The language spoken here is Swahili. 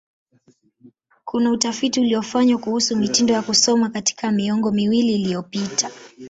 Kuna utafiti uliofanywa kuhusu mitindo ya kusoma katika miongo miwili iliyopita.